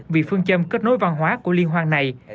vì phương châm kết nối văn hóa của liên hoan này